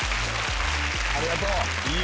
ありがとう。